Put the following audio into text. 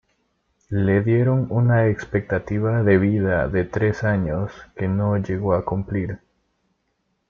Le dieron una expectativa de vida de tres años, que no llegó a cumplir.